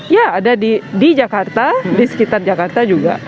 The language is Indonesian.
ya ada di jakarta di sekitar jakarta juga